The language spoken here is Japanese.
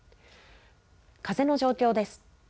風の状況です。